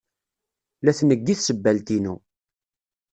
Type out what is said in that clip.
La tneggi tsebbalt-inu.